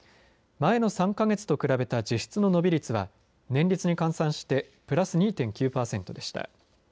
前の３か月と比べた実質の伸び率は年率に換算してプラス２．９パーセントでした。